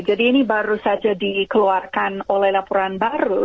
jadi ini baru saja dikeluarkan oleh laporan baru